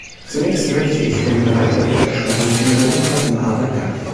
Zunächst möchte ich den drei Berichterstattern für ihre umfassende Arbeit danken.